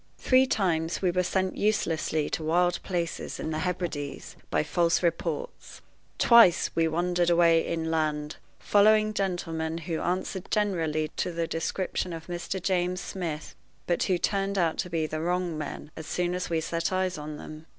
Three times we were sent uselessly to wild places in the Hebrides by false reports. Twice we wandered away inland, following gentlemen who answered generally to the description of Mr. James Smith, but who turned out to be the wrong men as soon as we set eyes on them.